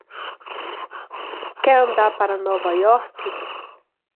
Quer andar para Nova York?